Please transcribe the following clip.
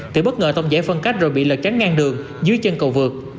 tỉa bất ngờ tông giải phân cách rồi bị lật trắng ngang đường dưới chân cầu vượt